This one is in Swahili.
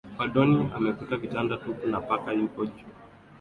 wodini amekuta vitanda tupu na paka yuko juu